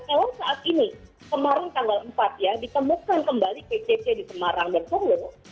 kalau saat ini kemarin tanggal empat ya ditemukan kembali pcc di semarang dan solo